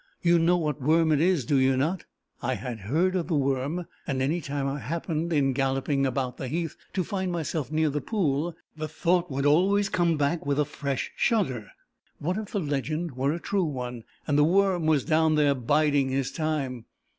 You know what worm it is, do you not?" I had heard of the worm, and any time I happened, in galloping about the heath, to find myself near the pool, the thought would always come back with a fresh shudder what if the legend were a true one, and the worm was down there biding his time!